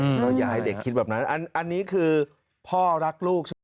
แล้วก็อย่าให้เด็กคิดแบบนั้นอันนี้คือพ่อรักลูกใช่ไหม